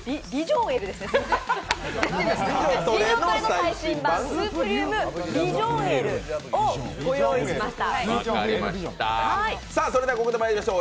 今日は「ビジョトレ！」の最新版、スープリュームビジョンＬをご用意いたしました。